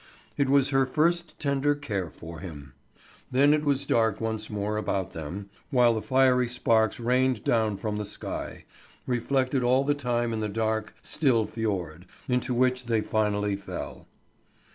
It was her first tender care for him. Then it was dark once more about them, while the fiery sparks rained down from the sky, reflected all the time in the dark, still fjord, into which they finally fell.